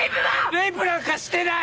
レイプなんかしてない！